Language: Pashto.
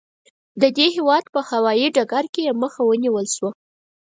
د دې هېواد په هوايي ډګر کې یې مخه ونیول شوه.